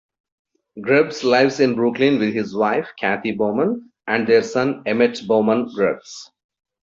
Grubbs lives in Brooklyn with his wife, Cathy Bowman, and their son Emmett Bowman-Grubbs.